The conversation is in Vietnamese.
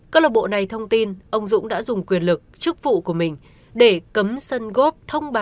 các lập bộ này thông tin ông dũng đã dùng quyền lực chức vụ của mình để cấm sân góp